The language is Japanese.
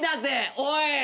おい！